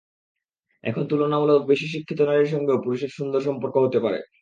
এখন তুলনামূলক বেশি শিক্ষিত নারীর সঙ্গেও পুরুষের সুন্দর সম্পর্ক হতে পারে।